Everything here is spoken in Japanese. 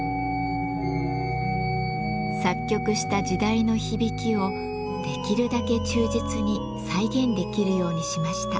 作曲した時代の響きをできるだけ忠実に再現できるようにしました。